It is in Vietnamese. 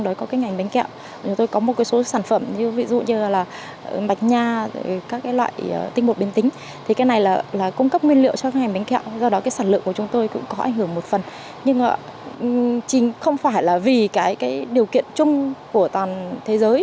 do đó sản lượng của chúng tôi cũng có ảnh hưởng một phần nhưng không phải là vì điều kiện chung của toàn thế giới